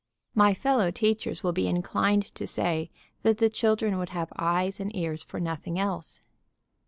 My fellow teachers will be inclined to say that the children would have eyes and ears for nothing else.